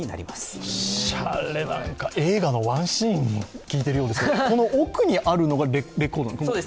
おしゃれ、映画のワンシーンを聞いているようですが、この奥にあるのがレコードなんですか。